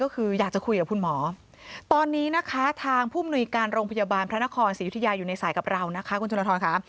คุณชุระทรอนค่ะ